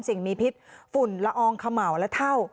สิ่งมีพิษฝุ่นละอองเขม่าวและเท่า